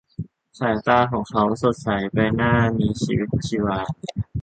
สายตาของเขาสดใส ใบหน้ามีชีวิตชีวา